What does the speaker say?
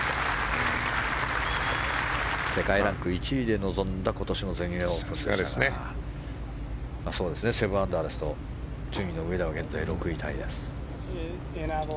世界ランク１位で臨んだ今年の全英オープンでしたが７アンダーですと順位のうえでは現在６位タイです。